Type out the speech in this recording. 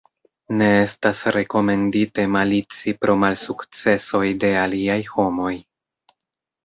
Ne estas rekomendite malici pro malsukcesoj de aliaj homoj.